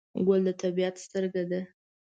ګل د طبیعت سترګه ده.